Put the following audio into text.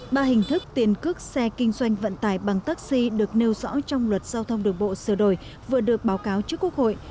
ba hình thức tiền cước xe kinh doanh vận tải bằng taxi được nêu rõ trong luật giao thông đường bộ sửa đổi vừa được báo cáo trước quốc hội